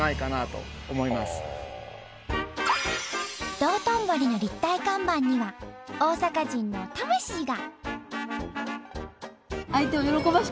道頓堀の立体看板には大阪人の魂が。